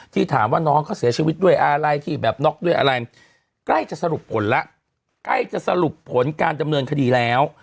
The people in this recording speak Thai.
ถามว่าน้องเขาเสียชีวิตด้วยอะไรที่แบบน็อกด้วยอะไรใกล้จะสรุปผลแล้วใกล้จะสรุปผลการดำเนินคดีแล้ว